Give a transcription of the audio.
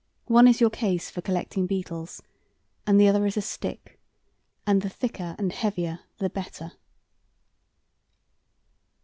One is your case for collecting beetles, and the other is a stick, and the thicker and heavier the better."